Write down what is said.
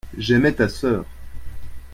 j'aimais ta sœur.